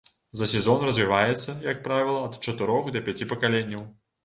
За сезон развіваецца, як правіла, ад чатырох да пяці пакаленняў.